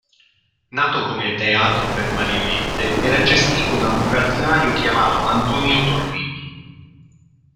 Nato come teatro per marionette, era gestito da un burattinaio chiamato Antonio Torrini.